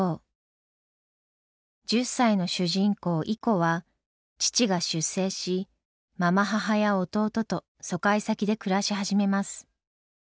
１０歳の主人公イコは父が出征しまま母や弟と疎開先で暮らし始めます。